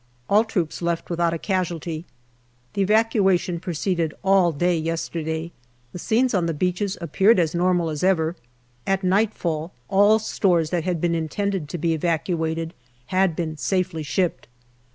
All troops left without a casualty. The evacuation proceeded ' all day yesterday. The scenes on the beaches appeared as normal as ever. At nightfall all stores that had been intended to be evacuated had been safely shipped.